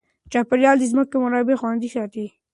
چاپیریال د ځمکې منابع خوندي ساتي.